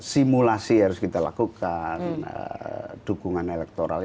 simulasi harus kita lakukan dukungan elektoral